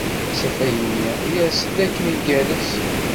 Asafag-nni yers-d akken igerrez.